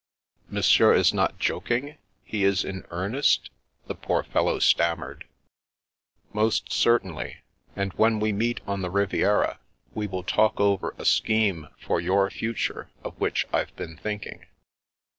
"Monsieur is not joking? He is in earnest?" the poor fellow stammered. " Most certainly. And when we meet on the Riviera, we will talk over a scheme for your future of which I've been thinking.